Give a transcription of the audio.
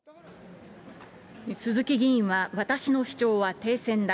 鈴木議員は、私の主張は停戦だ。